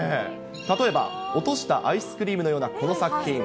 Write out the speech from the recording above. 例えば、落としたアイスクリームのようなこの作品。